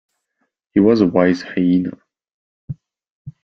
He was a wise hyena.